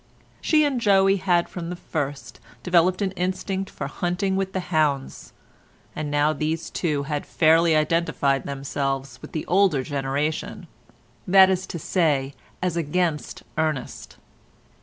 She and Joey had from the first developed an instinct for hunting with the hounds, and now these two had fairly identified themselves with the older generation—that is to say as against Ernest.